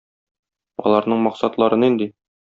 Аларның максатлары нинди?